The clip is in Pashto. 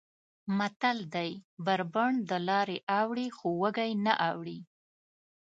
متل دی: بر بنډ دلارې اوړي خو وږی نه اوړي.